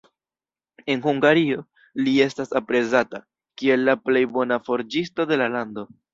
En Hungario li estas aprezata, kiel la plej bona forĝisto de la lando.